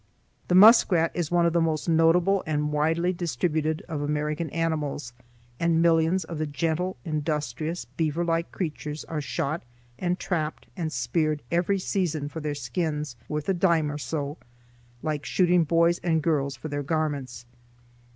The muskrat is one of the most notable and widely distributed of American animals, and millions of the gentle, industrious, beaver like creatures are shot and trapped and speared every season for their skins, worth a dime or so,—like shooting boys and girls for their garments.